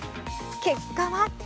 結果は。